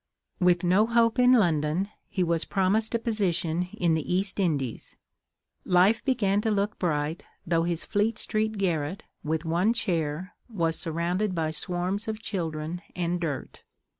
With no hope in London, he was promised a position in the East Indies. Life began to look bright, though his Fleet Street garret, with one chair, was surrounded by swarms of children and dirt.